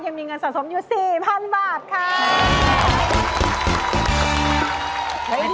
ยังมีเงินสะสมอยู่๔๐๐๐บาทค่ะ